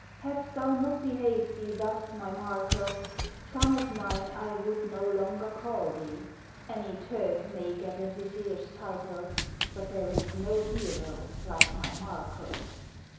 Hadst thou not behaved thee thus, my Marko, Son of mine I would no longer call thee. Any Turk may get a vizier's title, But there is no hero like my Marko."